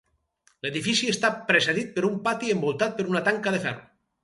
L'edifici està precedit per un pati envoltat per una tanca de ferro.